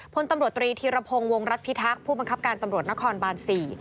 พลตำรวจตรีธีรพงศ์วงรัฐพิทักษ์ผู้บังคับการตำรวจนครบาน๔